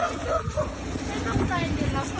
ไม่ต้องใจ